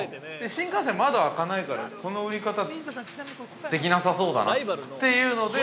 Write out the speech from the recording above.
新幹線は窓が開かないから、この売り方、できなさそうだなというので。